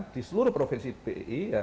di seluruh provinsi bi